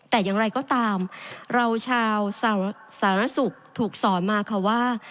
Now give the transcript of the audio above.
แต่อย่างไรก็ตามเราชาวสาธารณสุขถูกสอนมาค่ะว่า